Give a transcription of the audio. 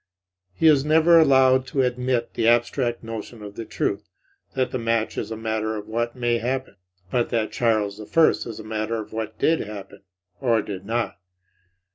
He is never allowed to admit the abstract notion of the truth, that the match is a matter of what may happen, but that Charles I is a matter of what did happen or did not.